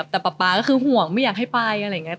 แต่ป๊าป๊าก็คือห่วงไม่อยากให้ไปอะไรอย่างนี้